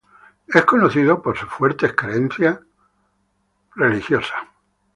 Es conocido por sus fuertes creencias cristianas.